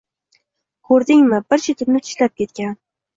Ko‘rdingmi, bir chetini tishlab ketgan.